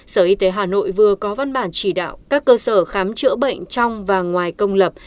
sở y tế hà nội vừa có văn bản chỉ đạo các cơ sở khám chữa bệnh trong và ngoài công lập